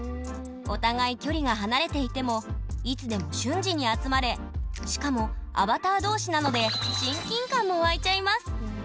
お互い距離が離れていてもいつでも瞬時に集まれしかもアバター同士なので親近感も湧いちゃいます。